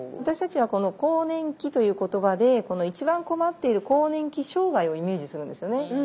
私たちはこの更年期という言葉で一番困っている更年期障害をイメージするんですよね。